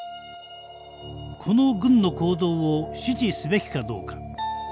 「この軍の行動を支持すべきかどうか」。